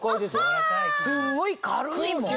すんごい軽いもん。